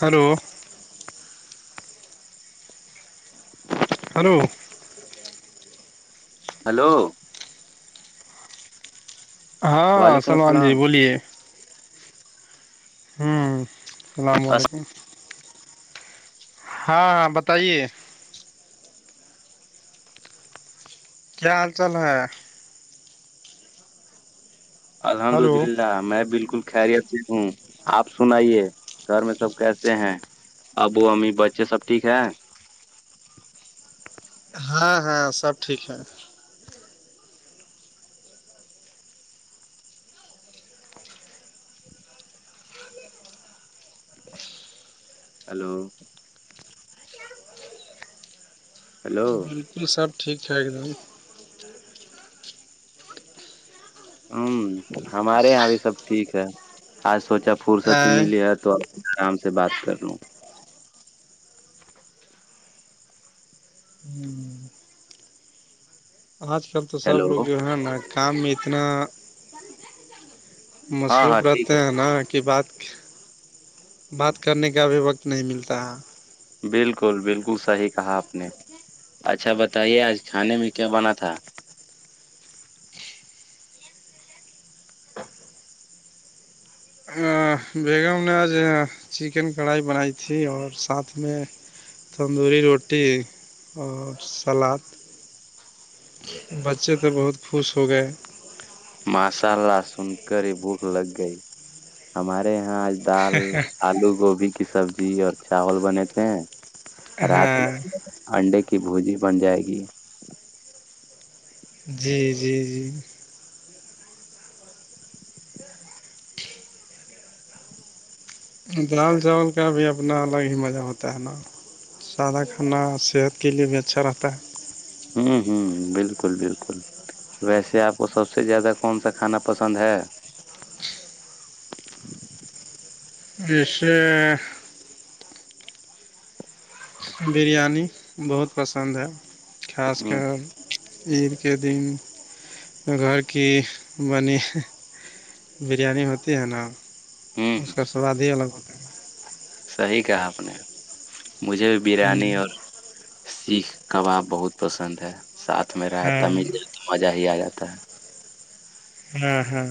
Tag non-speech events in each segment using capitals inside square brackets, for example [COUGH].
hello hello hello ہاں وعلیکم سلمان جی السلام بولیے ہوں اللام علیکم ہاں ہاں بتائیے کیا حال چال ہے الحمد ہلو للہ میں بالکل خیریت سے ہوں آپ سنئیے گھر میں سب کیسے ہیں ابو امی بچے سب ٹھیک ہے ہاں ہاں سب ٹھیک ہے ہلو ہلو بالکل سب ٹھیک ہے الہمد ہوں ہمارے یہاں بھی سب ٹھیک ہے آج سوچا فرصت دم ملی ہے تو اب آرام سے بات کر لوں ہوں آج کل تو سب ہیلو لوگ جو ہے نا کام میں اتنا ہاں مصروف ہاں ٹھیک رہتے ہیں نا کہ بات بات کرنے کا ابھی وقت نہیں ملتا بالکل بالکل صحیح کہا آپ نے اچھا بتائیے آج کھانے میں کیا بنا تھا بیگم نے آج چکن کڑھائی بنائی تھی اور ساتھ میں تندوری روٹی اور سلاد بچے تو بہت خوش ہو گئے ماشاء اللہ سن کر ہی بھوک لگ گئی ہمارے یہاں دال آلو گوبھی کی سبزی اور چاول بنتے تھے رات ہاں انڈے کی بھجی بن جائے گی جی جی جی دال چاول کا بھی اپنا الگ ہی مزہ ہوتا ہے نا سادہ کھانا صحت کے لیے بھی اچھا رہتا ہے ہوں ہوں بالکل بالکل ویسے آپ کو سب سے زیادہ کون سا کھانا پسند ہے اس سے بریانی بہت پسند ہے خاص ہ کر عید کے دن گھر کی بنی بریانی ہوتی ہے نا ہ اس کا سواد ہی الگ ہوتا صحیح کہا آپ نے مجھے بھی ہے بریانی اور سیخ کباب بہت پسند ہے ساتھ میں رہاتا مل ہ مزہ ہی آ جاتا ہاں ہاں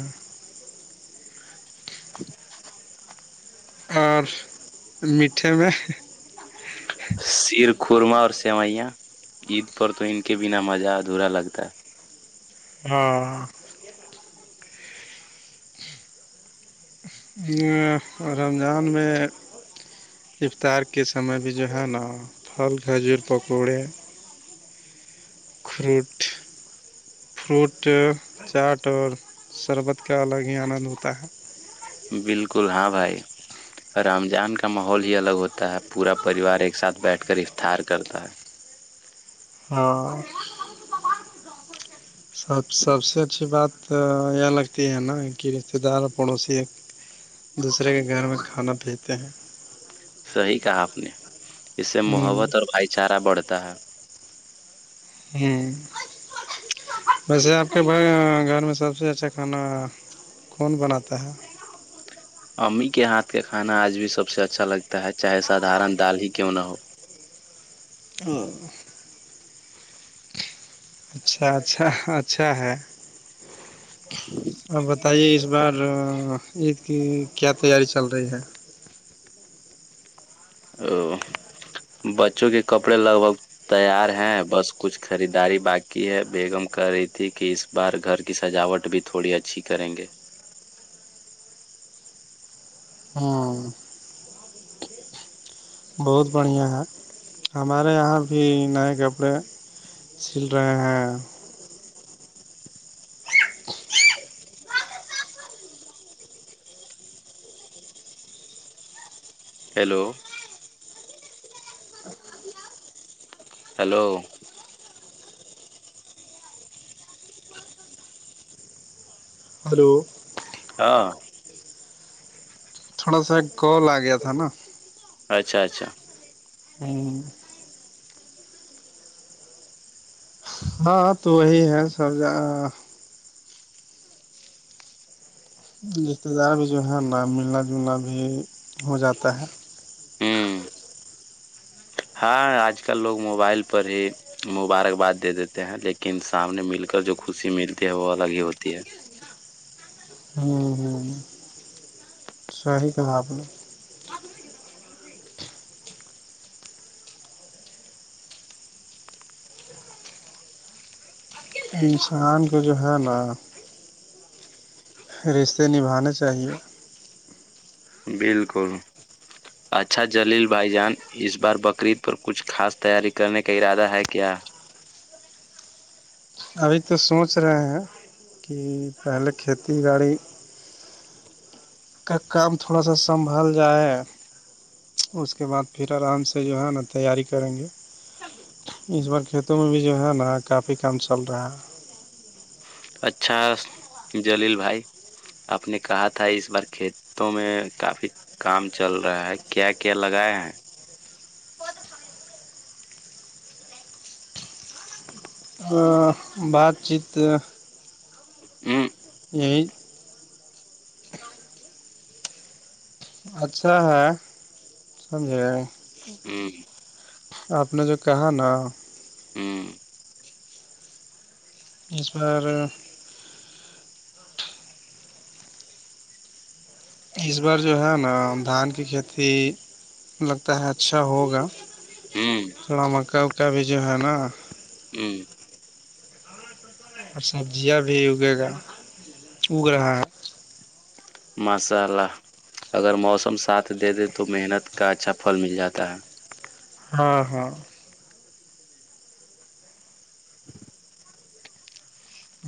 [INAUDIBLE] اور میٹھے میں شیر خورما اور سیوئیاں عید پر تو ان کے بنا مزہ ادھورا لگتا ہے ہاں رمضان میں افطار کے سمے بھی جو ہے نا پھل کھجور پکوڑے فروٹ فروٹ چاٹ اور شربت کا الگ ہی آنند ہوتا ہے بالکل ہاں بھائی رمضان کا ماحول ہی الگ ہوتا ہے پورا پریوار ایک ساتھ بیٹھ کر افطار کرتا ہے ہاں سب سب سے اچھی بات یہ لگتی ہے نا کہ رشتے دار پڑوسی ایک دوسرے کے گھر میں کھانا پہتے ہیں صحیح کہا آپ نے اس سے ہوں محبت اور بھائی چارہ بڑھتا ہے ہوں ویسے آپ کے بھائی گھر میں سب سے اچھا کھانا کون بناتا ہے امی کے ہاتھ کا کھانا آج بھی سب سے اچھا لگتا ہے چاہے سادارن دال ہی کیوں نہ ہو اور [UNINTELLIGIBLE] اچھا اچھا اچھا ہے آپ بتائیے اس بار عید کی کیا تیاری چل رہی ہے [UNINTELLIGIBLE] تیار ہیں بس کچھ خریداری باقی ہے بیگم کر رہی تھی کہ اس باہر گھر کی سجاوٹ بھی تھوڑی اچھی کریں گے ہاں بہت بڑھیا ہے ہمارے یہاں بھی نئے کپڑے چل رہے ہیں ہیلو ہیلو ہلو ہاں تھوڑا سا گول آ گیا تھا نا اچھا اچھا ہوں [UNINTELLIGIBLE] ہاں تو وہی ہے سب رشتے دار بھی جو ہے نا ملنا جلنا بھی ہو جاتا ہے ہوں ہاں آج کل لوگ موبائل پر ہی مبارکباد دے دیتے ہیں لیکن سامنے مل کر جو خوشی ملتی ہے وہ الگ ہی ہوتی ہے ہاں ہاں [INAUDIBLE] صحی کہنااب نے انسان کے جو ہے نا رشتے نبھانے چاہیے بالکل اچھا جلیل بھائی جان اس بار بقرید پر کچھ خاص تیاری کرنے کا ارادہ ہے کیا ابھی تو سوچ رہے ہیں کہ پہلے کھیتی باڑی کا کام تھوڑا سا سنبھال جائے اس کے بعد پھر آرام سے جو ہے نا تیاری کریں گے اس بار کھیتوں میں بھی جو ہے نا کافی کام چل رہا ہے اچھا جلیل بھائی آپ نے کہا تھا اس بار کھیتوں میں کافی کام چل رہا ہے کیا کیا لگائے ہیں بات چیت ا [UNINTELLIGIBLE] [UNINTELLIGIBLE] اچھا ہے سمجھے [UNINTELLIGIBLE] آپ نے جو کہا نا [UNINTELLIGIBLE] اس پر [UNINTELLIGIBLE] اس بار جو ہے نا دھان کی کھیتی لگتا ہے اچھا ہوگا ہ ہ مکا کا بھی جو ہے نا جی [UNINTELLIGIBLE] اور سبزیاں بھی اگے گا اگ رہا ہے ماشاء اللہ اگر موسم ساتھ دے دے تو محنت کا اچھا پھل مل جاتا ہے ہاں ہاں [UNINTELLIGIBLE]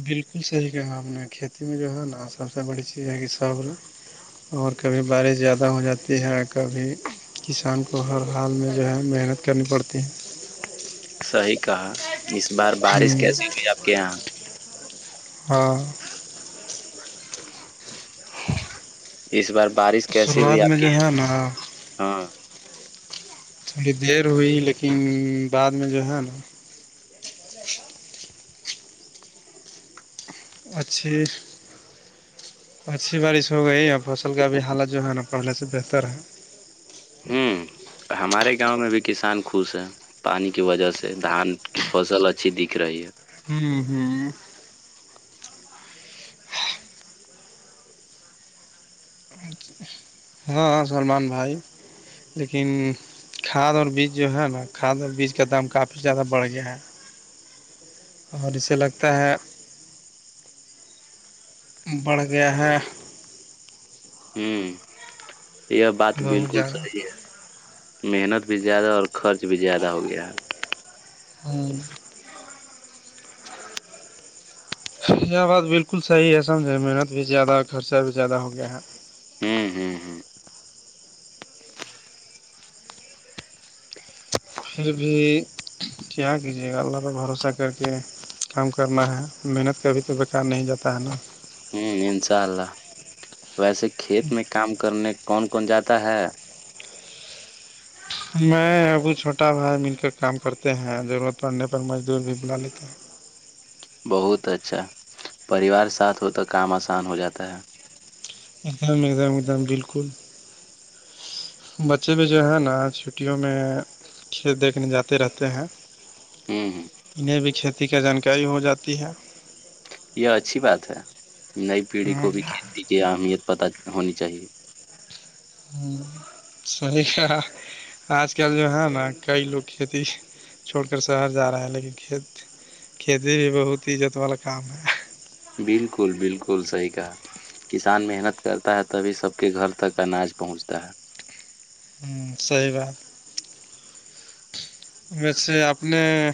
بالکل صحیح کہنا اپ نے کھیتی میں جو ہے نا سب سے بڑی چیز ہے کہ سب اور کبھی بارش زیادہ ہو جاتی ہے کبھی کسان کو ہر حال میں جو ہے محنت کرنی پڑتی ہے صحی کہا اس بار ہے بارش کیسی ہوئی آپ کے یہاں ہاں اس بار بارش کیسی شروعات ہوئی آپ میں کی جو ہے نا یہاں تھوڑی دیر ہوئی لیکن بعد میں جو ہے نا اچھی اچھی بارش ہو گئی فصل کا ابھی حالت جو ہے نا پہلے سے بہتر ہے ہوں ہمارے گاؤں میں بھی کسان خوش ہیں پانی کی وجہ سے دھان کی فسل اچھی دکھ رہی ہے ہوں ہوں اور ج [INAUDIBLE] [UNINTELLIGIBLE] ہاں سلمان بھائی لیکن کھاد اور بیج جو ہے نا کھاد اور بیج کا دام کافی زیادہ بڑھ گیا ہے اور اسے لگتا ہے بڑھ گیا ہے ہوں یہ بات بہت بالکل زیادہ صحیح ہے محنت بھی زیادہ اور خرچ بھی زیادہ ہو گیا ہے اور [UNINTELLIGIBLE] یہ بات بالکل صحیح ہے سمجھے محنت بھی زیادہ اور خرچہ بھی زیادہ ہو گیا ہے ہوں ہوں ہوں پھر بھی کیا کہ جی اللہ کا بھروسہ کر کے کام کرنا ہے محنت کابھی تو بیکار نہیں جاتا ہے نا ہوں انشاء اللہ ویسے کھیت میں کام کرنے کون کون جاتا ہے میں ابھی چھوٹا بھائی مل کر کام کرتے ہیں ضرورت پڑنے پر مزدور بھی بلا لیتے ہیں بہت اچھا پریوار ساتھ ہوتا کام آسان ہو جاتا ہے ایک دم ایک دم ایک دم بالکل بچے بھی جو ہے نا چھٹیوں میں کھیل دیکھنے جاتے رہتے ہیں ہ ہ انہیں بھی کھیتی کا جانکاری ہو جاتی ہے یہ اچھی بات ہے نئی پیڑھی ہ کو بھی کھیتی کی اہمیت پت ہونی چاہیے ہوں صحیح کہا آج کل جو ہے نا کئی لوگ کھیتی چھوڑ کر شہر جا رہے ہے لیکن کھیت کھیتی بھی بہت عزت والا کام ہے بالکل بالکل صحیح کہا کسان محنت کرتا ہے تبھی سب کے گھر تک اناج پہنچتا ہے ہوں صی بات- ویسے اپنے-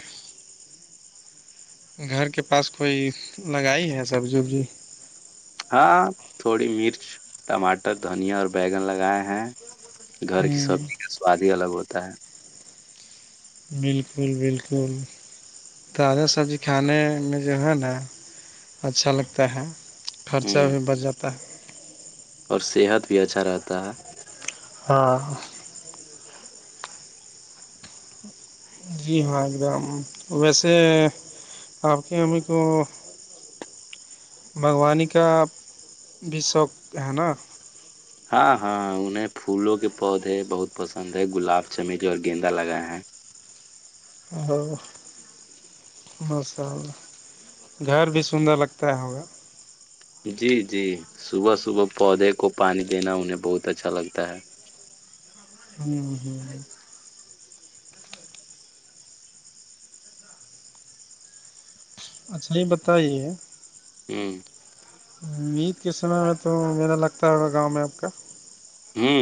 گھر کے پاس کوئی لگائی ہے، سبزی وبزی- ہاں تھوڑی مرچ ٹماٹر دھنیا اور بیگن لگائے ہیں- گھر کی ہوں سبزی کا سواد ہی الگ ہوتا ہے- بالکل -بالکل تازہ سبزی کھانے میں جو ہے نا اچھا لگتا ہے- خرچہ ہے ہ بھی بڑھ جاتا ہے- اور صحت بھی اچھا رہتا ہے- ہاں جی ہاں ایک دم ویسے آپ کے امی کو- منگوانی کا بھی شوق ہے نا- ہاں ہاں انہیں پھولوں کے پودے بہت پسند ہے گلاب چمیلیی اور گیندا لگائے ہیں- اور مساءلہ گھر بھی سندر لگتا ہے ہما- جی- جی صبح- صبح پودے کو پانی دینا انہیں بہت اچھا لگتا ہے- ہ ہوں- اچھا یہ بتائیے- ہوں امید کے سنا ہے تو میرا لگتا ہے ہوگا گاؤں میں آپ کا- ہوں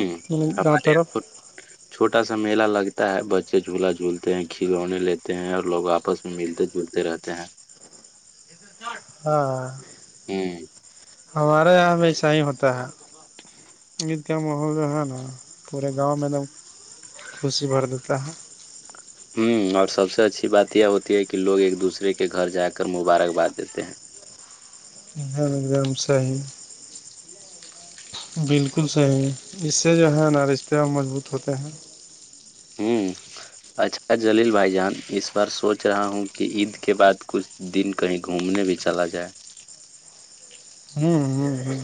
گاؤں ہمارے طرف یہ- چھوٹا سا میلا لگتا ہے بچے جھولا جھولتے ہیں کھلونے لیتے ہیں اور لوگ آپس- ملتے جلتے رہتے ہیں- ہاں ہوں ہمارے یہاں ہمیشہ ہی ہوتا ہے- عید کا ماحول جو ہے نا پورے گاؤں میں تو- خوشی بھر دیتا ہے- اور سب سے اچھی بات یہ ہوتی ہے کہ لوگ ایک دوسرے کے گھر جا کر مبارک باد دیتے ہیں- ایک دم ص ہی- بالکل صحیح ہے اس سے جو ہے نا رشتے مضبوط ہوتے ہیں- ہوں اچھا جلیل بھائی جان اس بار سوچ رہا ہوں کہ عید کے بعد کچھ- دن کہیں گھومنے بھی چلا جائے- ہوں ہ ہ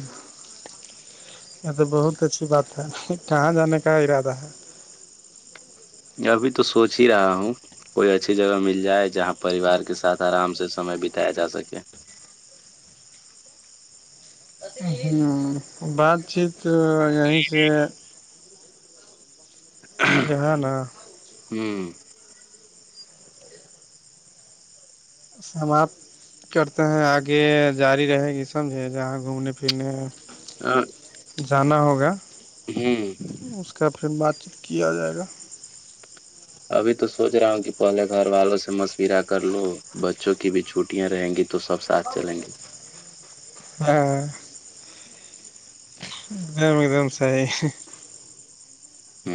یہ تو بہت اچھی بات ہے، کہاں جانے کا ارادہ ہے- ابھی تو سوچ ہی رہا ہوں- کوئی اچھی جگہ مل جائے جہاں پریوار کے ساتھ آرام سے سمے بتایا جا سکے- ہوں بات چیت یہیں سے- ج نا ہوں سمپ کرتے ہیں آگے جاری رہے گی سمجھے جہاں گھومنے پھرنے- ہاں جانا ہوگا ہوں- اس کا پھر بات چیت کیا جائے گا- ابھی تو سوچ رہا ہوں کہ پہلے گھر والوں سے مشورہ کر لو بچوں کی بھی چھٹیاں رہیں گی تو سب ساتھ- چلیں گے- ہاں ایک دم ایک دم ساہ- ہ